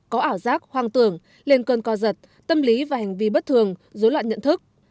có ảo giác hoang tưởng lên cơn co giật tâm lý và hành vi bất thường dối loạn nhận thức